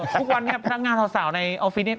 ทุกวันนี้พนักงานสาวในออฟฟิศเนี่ย